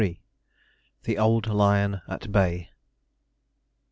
THE OLD LION AT BAY.